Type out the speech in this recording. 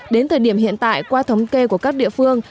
đến thời điểm hiện tại qua thống kê của các địa phương